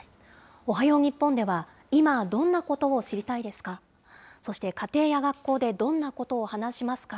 おはよう日本では、今、どんなことを知りたいですか。